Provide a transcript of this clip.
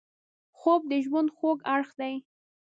خوب د ژوند خوږ اړخ دی